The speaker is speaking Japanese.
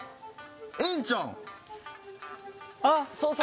ええんちゃうん？